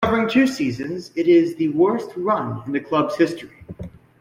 Covering two seasons, it is the worst run in the club's history.